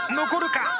残るか？